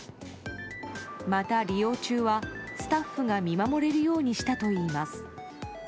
また利用中は、スタッフが見守れるようにしたといいます。